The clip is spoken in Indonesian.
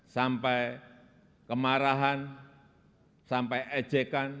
sampai kemarahan sampai ejekan